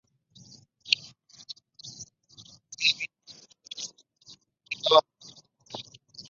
Regularmente se ofrecía vino a los dioses y se practicaba su consumo ritual.